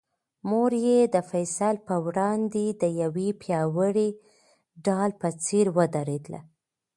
مور یې د فیصل په وړاندې د یوې پیاوړې ډال په څېر ودرېده.